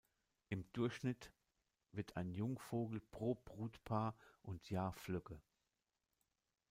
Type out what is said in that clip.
Im Durchschnitt wird ein Jungvogel pro Brutpaar und Jahr flügge.